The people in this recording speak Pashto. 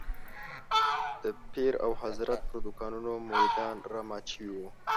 د پیر او حضرت پر دوکانونو مريدان رامات شوي وو.